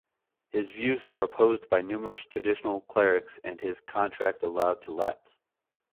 His views were opposed by numerous traditional clerics and his contract allowed to lapse.